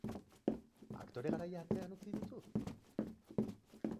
Aktore garaia atzean utzi duzu?